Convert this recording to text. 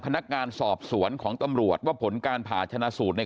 พนักงานสอบสวนของตำรวจว่าผลการผ่าชนะสูตรใน